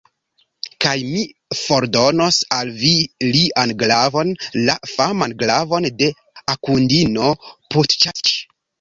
Kaj mi fordonos al vi lian glavon, la faman glavon de Akundino Putjatiĉ!